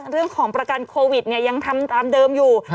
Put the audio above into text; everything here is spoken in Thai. เรื่องของประกันโควิดยังทำตามเดิมอยู่